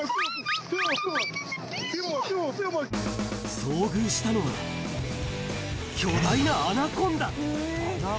遭遇したのは、巨大なアナコンダ。